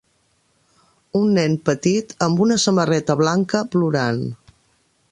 Un nen petit amb una samarreta blanca plorant.